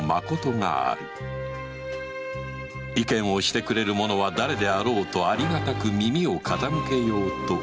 意見をしてくれる者は誰であろうとありがたく耳を傾けようと素直に思う吉宗であった